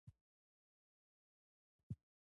د مالدارۍ تجربه د زیان مخه نیسي.